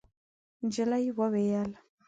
نجلۍ وویل: